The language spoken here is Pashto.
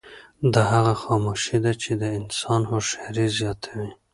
دا هغه خاموشي ده چې د انسان هوښیاري زیاتوي.